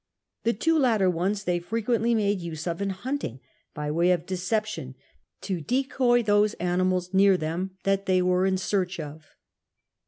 TJie two latter ones tiny fre quently made use of in hunting, by wfiy of decei)tion to decoy those animals near them that thi'y are in seandi of.